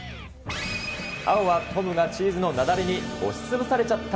青はトムがチーズの雪崩に押しつぶされちゃった！